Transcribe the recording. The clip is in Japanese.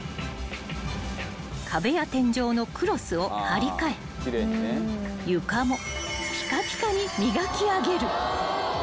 ［壁や天井のクロスを張り替え床もぴかぴかに磨き上げる］